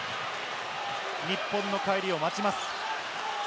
日本の帰りを待ちます。